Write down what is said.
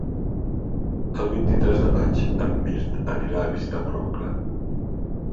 El vint-i-tres de maig en Mirt anirà a visitar mon oncle.